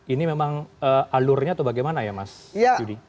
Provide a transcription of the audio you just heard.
ini memang alurnya atau bagaimana ya mas yudi